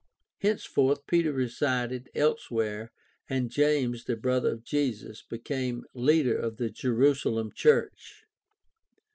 Henceforth Peter resided elsewhere and James the brother of Jesus became leader of the Jerusalem church.